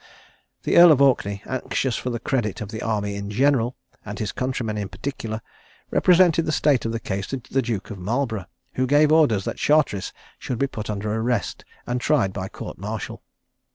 The Earl of Orkney, anxious for the credit of the army in general, and his countrymen in particular, represented the state of the case to the Duke of Marlborough, who gave orders that Charteris should be put under arrest and tried by court martial.